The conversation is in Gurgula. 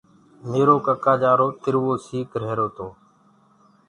ميرو سيوٽ تِروو سيٚڪ رهيرو تو۔